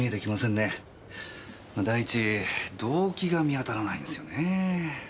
第一動機が見当たらないんですよねぇ。